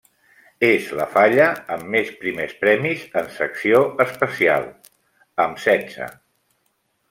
És la falla amb més primers premis en secció especial, amb setze.